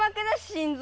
心臓。